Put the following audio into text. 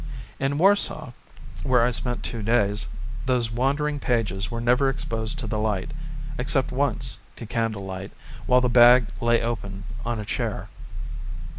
In Warsaw, where I spent two days, those wandering pages were never exposed to the light, except once, to candle light, while the bag lay open on a chair.